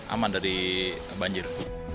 aman dari banjir